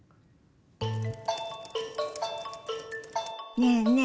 ねえねえ